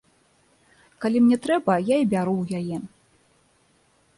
Калі мне трэба, я і бяру ў яе.